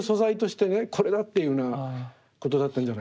これだっていうふうなことだったんじゃないかと。